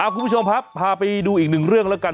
คุณผู้ชมครับพาไปดูอีกหนึ่งเรื่องแล้วกัน